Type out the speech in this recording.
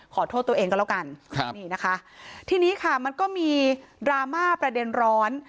ขอโทษตัวเองก็แล้วกันครับนี่นะคะทีนี้ค่ะมันก็มีดราม่าประเด็นร้อน